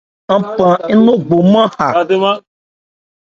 Ɔ́n phan ńnogbomán ha.